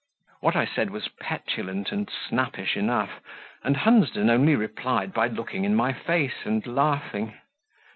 What I said was petulant and snappish enough, and Hunsden only replied by looking in my face and laughing.